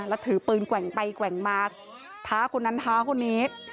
แล้วถือปืนแกว่งไปแกว่งมาท้าคนนั้นท้าคนนี้